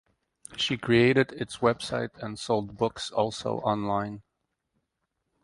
She created its website and sold books also online.